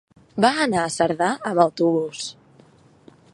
Va anar a Cerdà amb autobús.